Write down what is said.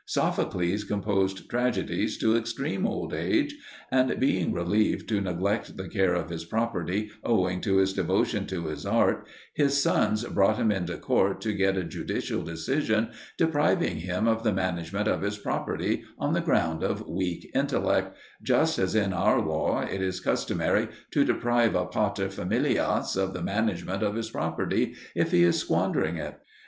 Sophocles composed tragedies to extreme old age; and being believed to neglect the care of his property owing to his devotion to his art, his sons brought him into court to get a judicial decision depriving him of the management of his property on the ground of weak intellect just as in our law it is customary to deprive a paterfamilias of the management of his property if he is squandering it.